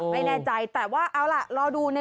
ไม่แน่ใจแต่ว่าเอาล่ะ